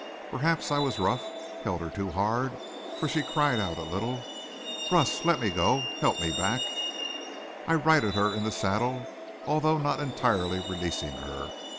Perhaps I was rough, held her too hard, for she cried out a little. "Russ! Let me go. Help me back." I righted her in the saddle, although not entirely releasing her.